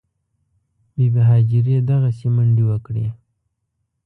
بي بي هاجرې دغسې منډې وکړې.